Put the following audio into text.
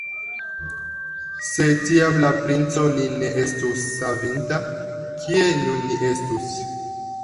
Se tiam la princo nin ne estus savinta, kie nun ni estus?